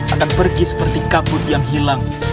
akan pergi seperti kabut yang hilang